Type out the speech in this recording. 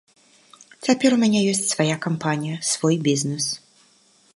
Цяпер у мяне ёсць свая кампанія, свой бізнэс.